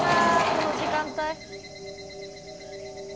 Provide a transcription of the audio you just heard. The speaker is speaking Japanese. この時間帯。